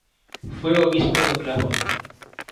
Fue obispo de Oklahoma.